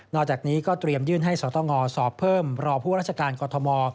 อกจากนี้ก็เตรียมยื่นให้สตงสอบเพิ่มรอผู้ราชการกรทม